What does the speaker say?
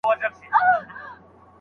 په واده کي هیڅوک باید ناراضه نه وي.